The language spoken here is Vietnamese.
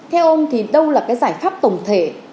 theo ông thì đâu là cái giải pháp tổng thể